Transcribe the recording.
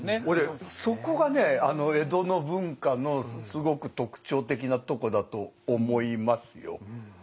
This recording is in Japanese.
俺そこがね江戸の文化のすごく特徴的なとこだと思いますよ。